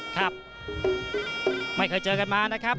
ครับไม่เคยเจอกันมานะครับ